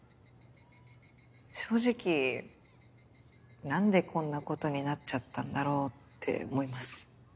正直何でこんなことになっちゃったんだろうって思います。